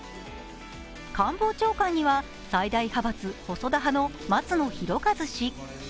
官房長官には最大派閥、細田派の松野博一氏。